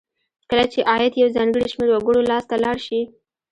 کله چې عاید یو ځانګړي شمیر وګړو لاس ته لاړ شي.